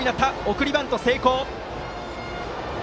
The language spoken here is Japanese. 送りバント成功。